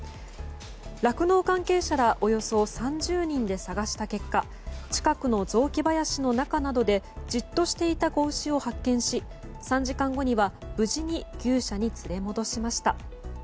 酪農関係者らおよそ３０人で捜した結果近くの雑木林の中などでじっとしていた子牛を発見し３時間後には無事に牛舎に連れ戻しました。